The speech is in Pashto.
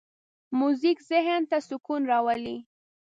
موزیک ذهن ته سکون راولي.